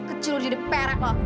kecil jadi perek lo